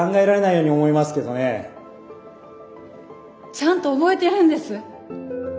ちゃんと覚えてるんです。